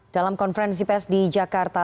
dalam konferensi pes di jakarta